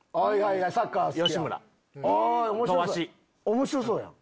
面白そうやん。